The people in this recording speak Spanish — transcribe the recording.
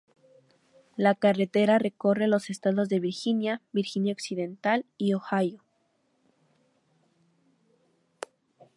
La carretera recorre los estados de Virginia, Virginia Occidental, y Ohio.